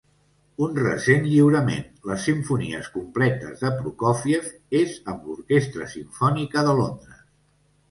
Un recent lliurament, les simfonies completes de Prokófiev, és amb l'Orquestra Simfònica de Londres.